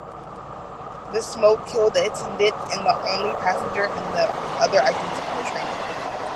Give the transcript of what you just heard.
The smoke killed the attendant and the only passenger in the other identical train.